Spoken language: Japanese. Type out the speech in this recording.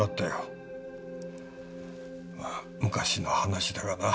まあ昔の話だがな。